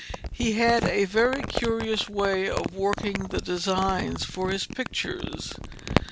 He had a very curious way of working the designs for his pictures.